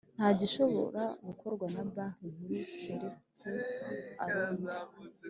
Nta gishobora gukorwa na Banki Nkuru keretse arundi